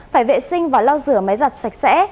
phải vệ sinh và lau rửa máy giặt sạch sẽ